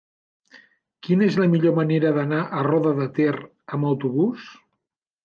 Quina és la millor manera d'anar a Roda de Ter amb autobús?